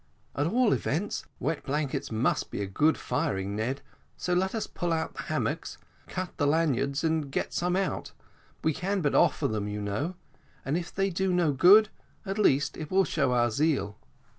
"At all events, wet blankets must be a good thing, Ned, so let us pull out the hammocks; cut the lanyards and get some out we can but offer them, you know, and if they do no good, at least it will show our zeal."